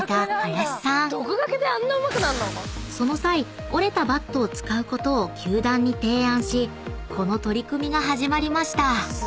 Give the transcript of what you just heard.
［その際折れたバットを使うことを球団に提案しこの取り組みが始まりました］